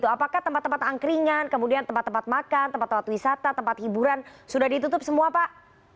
apakah tempat tempat angkringan kemudian tempat tempat makan tempat tempat wisata tempat hiburan sudah ditutup semua pak